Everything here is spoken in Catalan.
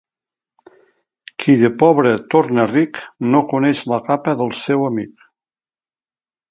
Qui de pobre torna ric no coneix la capa del seu amic.